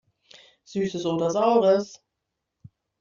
Süßes oder Saures!